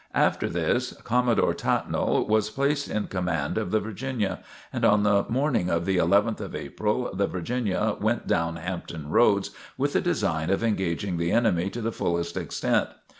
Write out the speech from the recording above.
After this Commodore Tattnall was placed in command of the "Virginia," and on the morning of the 11th of April the "Virginia" went down Hampton Roads with the design of engaging the enemy to the fullest extent.